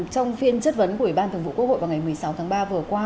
trong phiên chất vấn của ủy ban thường vụ quốc hội vào ngày một mươi sáu tháng ba vừa qua